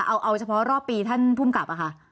เอาเฉพาะรอบปีท่านภูมิกับค่ะ